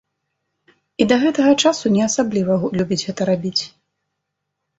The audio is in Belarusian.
І да гэтага часу не асабліва любіць гэта рабіць.